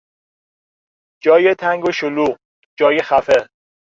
جای تنگ و شلوغ، جای خفه